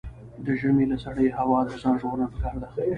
د ژمي له سړې هوا د ځان ژغورنه پکار ده.